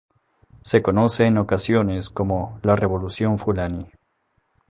Se conoce en ocasiones como la "revolución fulani".